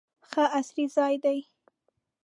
ښه عصري ځای دی.